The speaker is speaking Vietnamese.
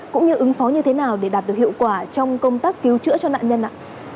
cũng như ứng phó như thế nào để đạt được hiệu quả trong công tác cứu chữa cho nạn nhân ạ